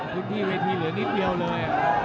จุดปีเวทีเหลือนิดเดียวเลยอ่ะ